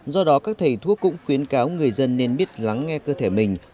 do đó các thầy thuốc cũng khuyến cáo người dân nên biết lắng nghe cơ thể mình